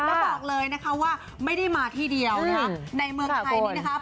แล้วบอกเลยนะคะว่าไม่ได้มาที่เดียวนะคะในเมืองไทยนี่นะคะ